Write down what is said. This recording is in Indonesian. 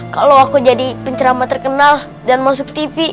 kalau aku jadi penceramah terkenal dan masuk tv